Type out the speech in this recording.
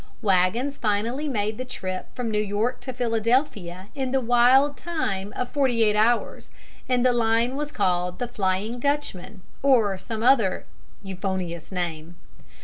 Wagons finally made the trip from New York to Philadelphia in the wild time of forty eight hours, and the line was called The Flying Dutchman, or some other euphonious name.